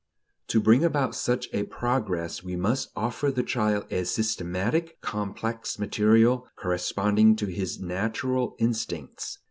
To bring about such a progress we must offer the child a systematic, complex material, corresponding to his natural instincts.